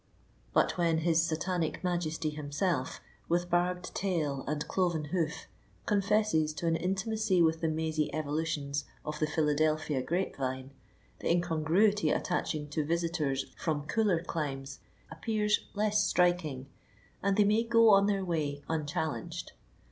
But when his Satanic Majesty himself, with barbed tail and cloven hoof, confesses to an intimacy with the mazy evolutions of the "Philadelphia grape vine," the incongruity attaching to visitors from cooler climes appears less striking, and they may go on their way unchallenged.